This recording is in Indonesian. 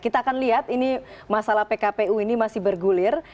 kita akan lihat ini masalah pkpu ini masih bergulir